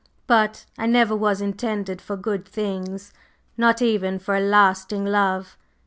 But I never was intended for good things, not even for a lasting love.